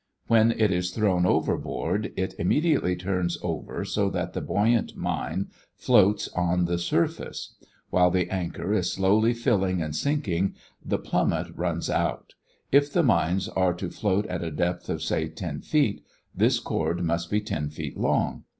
When it is thrown overboard (1) it immediately turns over so that the buoyant mine A floats on the surface (2). While the anchor is slowly filling and sinking, the plummet B runs out (3). If the mines are to float at a depth of, say, ten feet, this cord must be ten feet long.